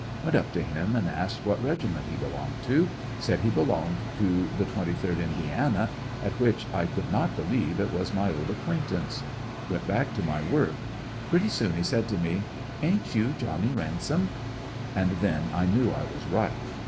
Went up to him and asked what regiment he belonged to ; said he belonged to the 23d Indiana, at which I could not believe it was my old acquaintance. Went back to my work Pretty soon he said to me: "Ain't you Johnny Ransom?" And then I knew I was right.